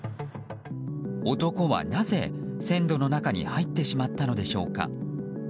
男はなぜ線路の中に入ってしまったのでしょうか。